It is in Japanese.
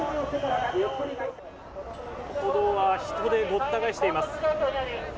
歩道は人でごった返しています。